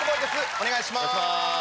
お願いします。